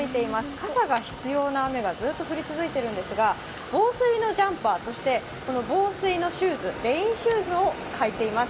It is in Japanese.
傘が必要な雨がずっと降り続いているんですが、防水のジャンパー、そして防水のシューズ、レインシューズを履いています。